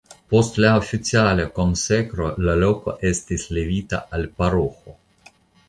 Post la oficiala konsekro la loko estis levita al paroĥo.